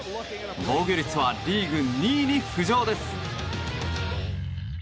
防御率はリーグ２位に浮上です。